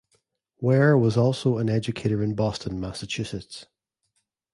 Ware was also an educator in Boston, Massachusetts.